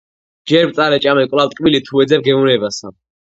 ჯერ მწარე ჭამე კვლავ ტკბილი თუ ეძებ გემოვნებასა